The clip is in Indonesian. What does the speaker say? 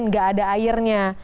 nggak ada airnya